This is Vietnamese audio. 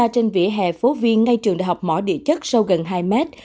tại phố viên ngay trường đại học mỏ địa chất sâu gần hai mét